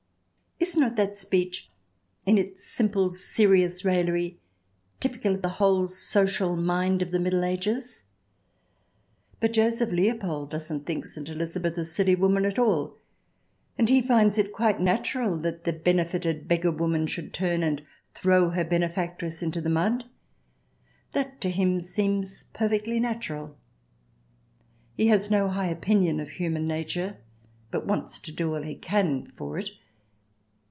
Is not that speech, in its simple, serious raillery, typical of the whole social mind of the Middle Ages ? But Joseph Leopold doesn't think St. Elizabeth a silly woman at all, and he finds it quite natural that the benefited beggarwoman should turn and throw her benefactress into the mud ; that, to him, seems perfectly natural. He has no high opinion of human nature, but wants to do all he can for it.